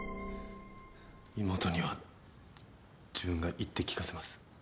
妹には自分が言って聞かせます。